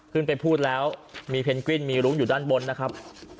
พูดแล้วมีเพนกวินมีรุ้งอยู่ด้านบนนะครับ